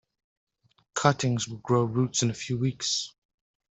Cuttings will grow roots in a few weeks.